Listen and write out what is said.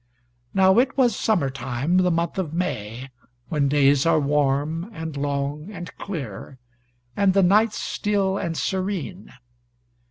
Now it was summer time, the month of May, when days are warm, and long, and clear, and the night still and serene.